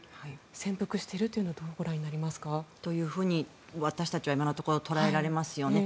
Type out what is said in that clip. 潜伏しているというのはどうご覧になりますか？というふうに私たちは今のところ捉えられますよね。